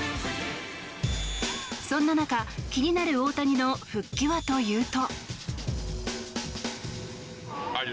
そんな中、気になる大谷の復帰はというと。